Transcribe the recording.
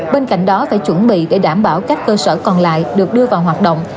bên cạnh đó phải chuẩn bị để đảm bảo các cơ sở còn lại được đưa vào hoạt động